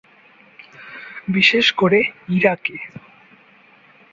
বিশেষ করে ইরাকে।